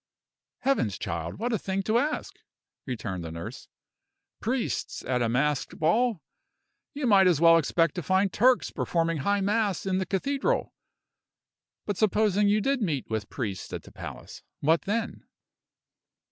"Heavens, child, what a thing to ask!" returned the nurse. "Priests at a masked ball! You might as well expect to find Turks performing high mass in the cathedral. But supposing you did meet with priests at the palace, what then?"